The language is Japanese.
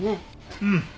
うん。